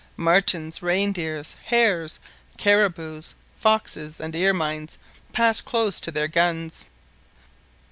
Martens, reindeer, hares, caribous, foxes, and ermines passed close to their guns.